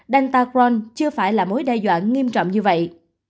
delta crohn chưa phải là mối đe dọa nghiêm trọng như vậy